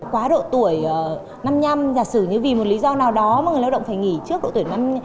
quá độ tuổi năm năm giả sử như vì một lý do nào đó mà người lao động phải nghỉ trước độ tuổi